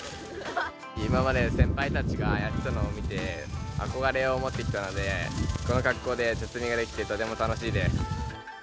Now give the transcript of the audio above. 今まで先輩たちがやってたのを見て、憧れを持ってきたので、この格好で茶摘みができて、とても楽しいです。